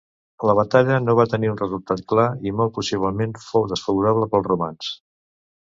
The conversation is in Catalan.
La batalla no va tenir un resultat clar i molt possiblement fou desfavorable pels romans.